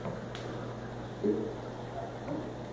اآڪ رو نوم لال ھي